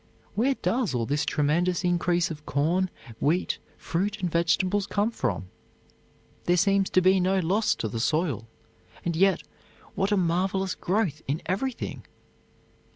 Where does all this tremendous increase of corn, wheat, fruit and vegetables come from? There seems to be no loss to the soil, and yet, what a marvelous growth in everything!